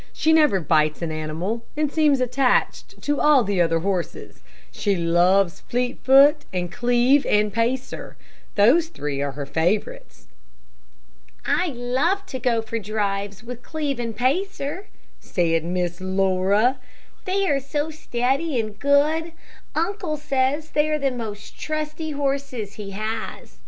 She never bites an animal, and seems attached to all the other horses. She loves Fleetfoot and Cleve and Pacer. Those three are her favorites." "I love to go for drives with Cleve and Pacer," said Miss Laura, "they are so steady and good. Uncle says they are the most trusty horses he has.